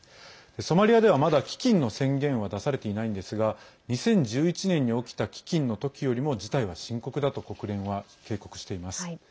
ソマリアでは、まだ飢きんの宣言は出されていないんですが２０１１年に起きた飢きんの時よりも事態は深刻だと国連は警告しています。